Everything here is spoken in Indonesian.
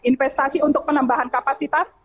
investasi untuk penambahan kapasitas